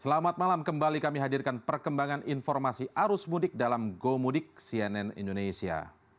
selamat malam kembali kami hadirkan perkembangan informasi arus mudik dalam gomudik cnn indonesia